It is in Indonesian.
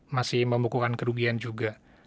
masih membukukan kerugian juga